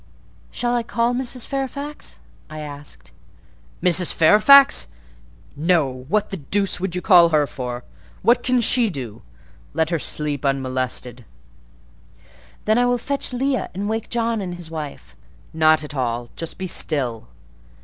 "Shall I call Mrs. Fairfax?" I asked. "Mrs. Fairfax? No; what the deuce would you call her for? What can she do? Let her sleep unmolested." "Then I will fetch Leah, and wake John and his wife." "Not at all: just be still.